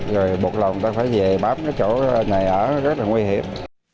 rồi một lần ta phải về bám cái chỗ này ở rất là nguy hiểm